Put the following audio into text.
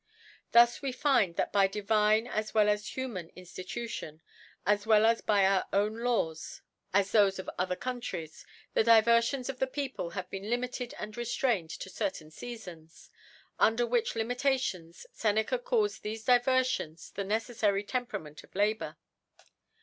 Thus we find that by divine as well as liuman Inflitution, as well by our own Ijaws as th<^ of other Countries, the Di ver fions of the People have been limited and reftraiqed to certain Seafons: Under which Limitations, S/m^a calls tbeie Divert* fions the neceflary Temperament of Labour.